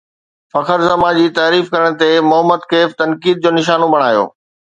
فخر زمان جي تعريف ڪرڻ تي محمد ڪيف تنقيد جو نشانو بڻايو